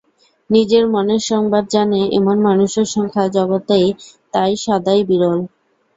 নিজের মনের সংবাদ জানে এমন মানুষের সংখ্যা জগতে তাই সদাই বিরল।